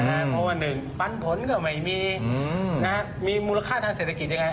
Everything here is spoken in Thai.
เพราะว่า๑ปันผลก็ไม่มีมีมูลค่าทางเศรษฐกิจยังไง